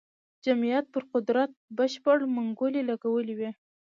جمعیت پر قدرت بشپړې منګولې لګولې وې.